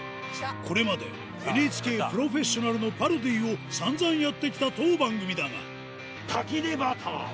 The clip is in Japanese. これまでＮＨＫ『プロフェッショナル』のパロディを散々やってきた当番組だが滝でバター！